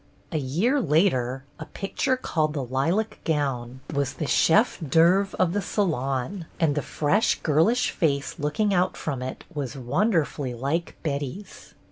A year later, a picture called " The Lilac Gown " was the chef d^ceuvre of the Salon, and the fresh girlish face looking out from it was wonderfully like Betty's.